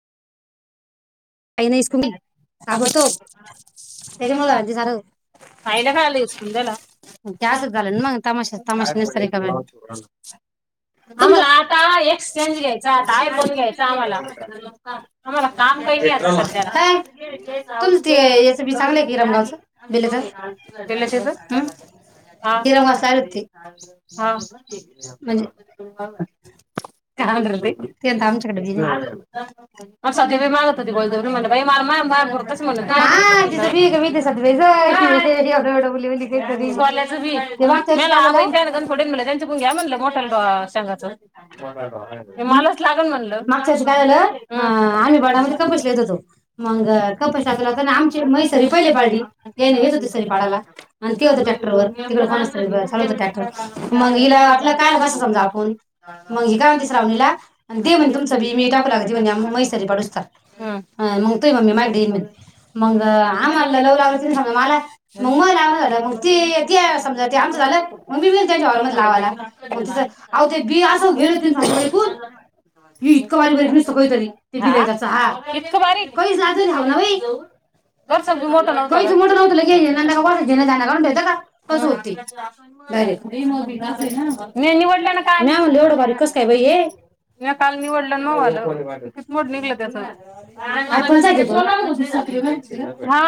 काही नाही स्कु आबडतोप त्याच्यामुळे झालं ते सार. त्या असच झालं म तमाश तमाशा नतार का आता एसचेंज घ्यायचा आयफोन घ्यायचा आम्हाला. आम्हाला काम पाहिजे अय तुमचं ते एच बी चांगलय की हिरंनगावचं. [unintelligible] हा हिरणगावचं चांगल होती हा म्हणजे [unintelligible] सध्या भी [unintelligible] आ [unintelligible] [unintelligible] मागच्या वर्षी काय झालं. [unintelligible] [unintelligible] म्हणलं मोठ्या संघाचं [unintelligible] मलाच लागण म्हणलं [unintelligible] मागच्या वर्षी काय झालं प हो मगपलता आमच्या मैसरी पहिले पाडी त्या येत होते सरी पाडाला ते होत टॅक्टर मिला हीरा वाटलं काय बस समजा आपण मग ही काय म्हणतील श्रावणीला ते म्हण तुमचं भी मी टाकू ला मैसरी पाडूस्तर. ह मग ते मम्मी मागती मग आम्हाला लवू लागलं त समज मला मग लाव झालं मग ते ते समजा आमच झालं. मम्मी बी त्यांच्याम लावायलाआवो ते बी आस घेवुन ते इतकं बारीक बारीक आम्ही सकळ तरी ते हा. इतक बारीक [unintelligible] मोठ न्हवत? [unintelligible] [unintelligible] तस होतय. [unintelligible] म्या निवडलं ना काल. [unintelligible] म्या काल निवडलं नऊ वाजलं. मोड निगल त्याच. [unintelligible]